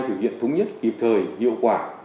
thực hiện thống nhất hiệp thời hiệu quả